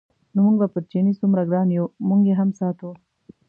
نو موږ به پر چیني څومره ګران یو موږ یې هم ساتو.